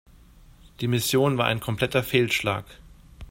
Die Mission war ein kompletter Fehlschlag.